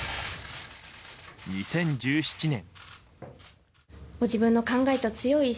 ２０１７年。